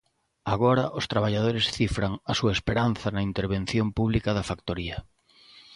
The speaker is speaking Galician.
Agora os traballadores cifran a súa esperanza na intervención pública da factoría.